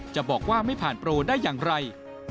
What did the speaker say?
จะบอกว่าไม่ผ่านโปรได้อย่างไร